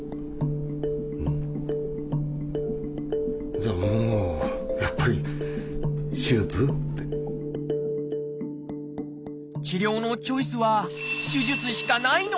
じゃあもう治療のチョイスは手術しかないの？